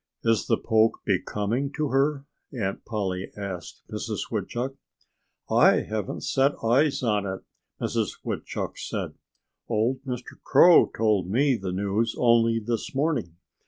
"Is the poke becoming to her?" Aunt Polly asked Mrs. Woodchuck. "I haven't set eyes on it," Mrs. Woodchuck said. "Old Mr. Crow told me the news only this morning.